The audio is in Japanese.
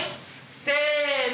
せの。